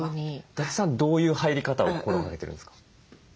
伊達さんどういう入り方を心がけてるんですか？